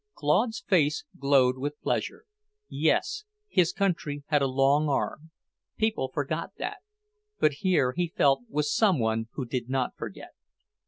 Claude's face glowed with pleasure. Yes, his country had a long arm. People forgot that; but here, he felt, was some one who did not forget.